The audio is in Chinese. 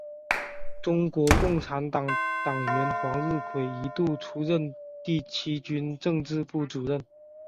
中国共产党党员黄日葵一度出任第七军政治部主任。